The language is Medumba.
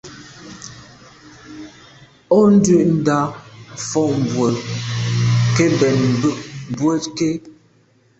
O, ndù nda’ fotmbwe nke mbèn mbwe ké.